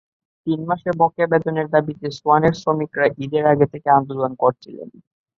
তিন মাসের বকেয়া বেতনের দাবিতে সোয়ানের শ্রমিকেরা ঈদের আগে থেকেই আন্দোলন করছিলেন।